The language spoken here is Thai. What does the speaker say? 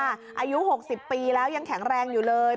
อายุ๖๐ปีแล้วยังแข็งแรงอยู่เลย